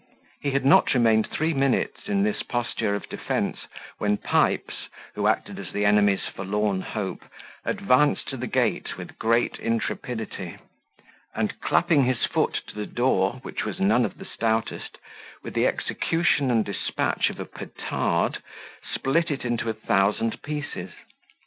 He had not remained three minutes in this posture of defence, when Pipes, who acted as the enemy's forlorn hope, advanced to the gate with great intrepidity, and, clapping his foot to the door, which was none of the stoutest, with the execution and despatch of a petard, split it into a thousand pieces.